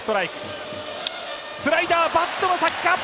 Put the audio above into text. スライダー、バットの先か？